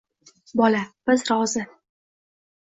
Bola: biz rozi...